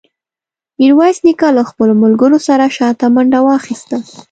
ميرويس نيکه له خپلو ملګرو سره شاته منډه واخيسته.